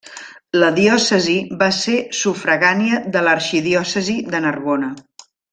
La diòcesi va ser sufragània de l'arxidiòcesi de Narbona.